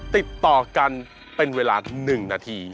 ติดต่อกันเป็นเวลา๑นาที